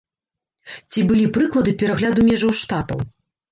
Ці былі прыклады перагляду межаў штатаў?